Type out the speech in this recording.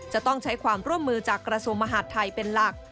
จะต้องใช้ความร่วมมือจากกระทรวงมหาดไทยเป็นหลัก